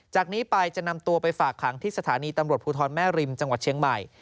จากนี้ไปจะนำตัวไปฝากขังที่สถานีตำรวจภูทรแม่ริมจังหวัดเชียงใหม่